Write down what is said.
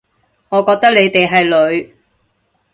我覺得你哋係女